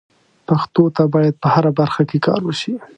پښتو ته باید په هره برخه کې کار وشي.